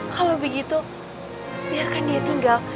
kalau begitu biarkan dia tinggal